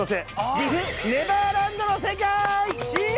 岐阜ネバーランドの世界！